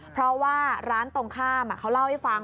เพราะว่าร้านตรงข้ามเขาเล่าให้ฟัง